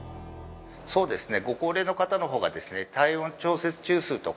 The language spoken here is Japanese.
そうですね